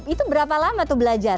itu berapa lama tuh belajar